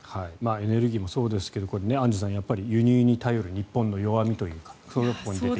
エネルギーもそうですがアンジュさん、輸入に頼る日本の弱みというかそれがここに出てきている。